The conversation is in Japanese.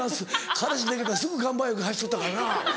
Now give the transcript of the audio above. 彼氏できたらすぐ岩盤浴走っとったからな。